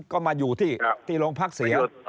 ก็มาอยู่ที่โรงพักเสีย